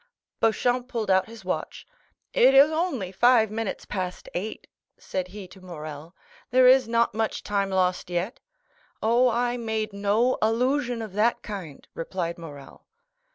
Beauchamp pulled out his watch. "It is only five minutes past eight," said he to Morrel; "there is not much time lost yet." "Oh, I made no allusion of that kind," replied Morrel.